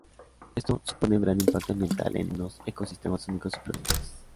Esto supone un gran impacto ambiental en unos ecosistemas únicos y protegidos.